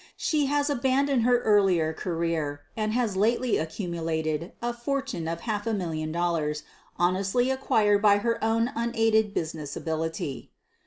She has aban doned her earlier career and has lately accumulated a fortune of half a million dollars, honestly acquired by her own unaided business ability.